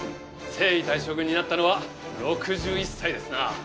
征夷大将軍になったのは６１歳ですな。